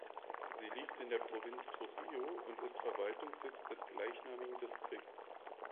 Sie liegt in der Provinz Trujillo und ist Verwaltungssitz des gleichnamigen Distrikts.